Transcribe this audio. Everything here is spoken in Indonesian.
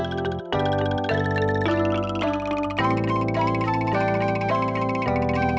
ration ada disini